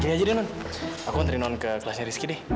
kayaknya gini non aku nanti non ke kelasnya rizky deh